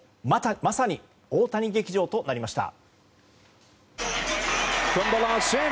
まさに大谷劇場となりました。